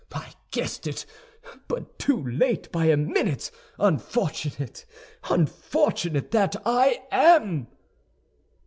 I guessed it! But too late by a minute, unfortunate, unfortunate that I am!"